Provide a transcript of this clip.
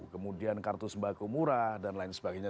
kemudian kartu sembako murah dan lain sebagainya